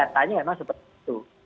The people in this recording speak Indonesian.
ternyata memang seperti itu